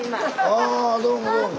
あどうもどうも。